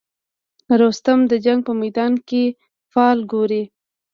رستم د جنګ په میدان کې فال ګوري.